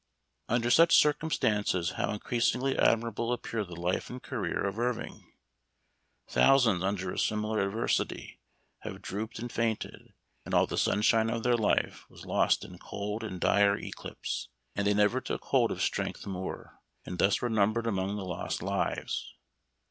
Under such circumstances how increasingly admirable appear the life and career of Irving ! Thousands under a similar adversity have drooped and fainted, and all the sunshine of their life was lost in cold and dire eclipse, and they never took hold of strength more, and thus were numbered among the lost lives.